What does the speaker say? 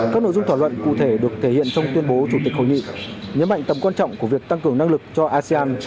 các nội dung thỏa thuận cụ thể được thể hiện trong tuyên bố chủ tịch hội nghị nhấn mạnh tầm quan trọng của việc tăng cường năng lực cho asean